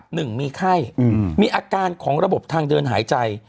หนึ่งมีไข้มีอาการของระบบทางเดินหายใจ